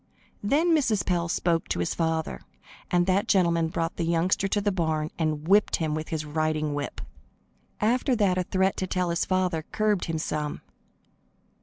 Then Mrs. Pell spoke to his father, and that gentleman brought the youngster to the barn and whipped him with his riding whip. After that a threat to tell his father curbed him some.